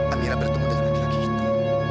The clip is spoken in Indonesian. amira bertemu dengan laki laki itu